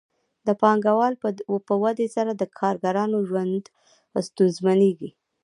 د پانګوال په ودې سره د کارګرانو ژوند ستونزمنېږي